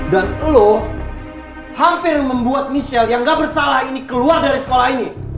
dan kamu hampir membuat nisal yang gak bersalah ini keluar dari sekolah ini